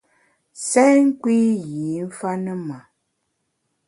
Sèn nkpi yî mfa ne ma!